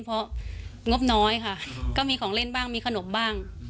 เพราะงบน้อยค่ะก็มีของเล่นบ้างมีขนมบ้าง